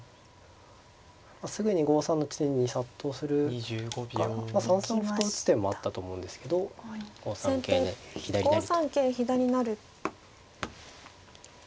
すぐに５三の地点に殺到するか３三歩と打つ手もあったと思うんですけど５三桂左成と。